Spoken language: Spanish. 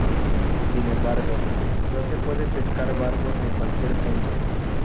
Sin embargo, no se puede pescar barbos en cualquier punto.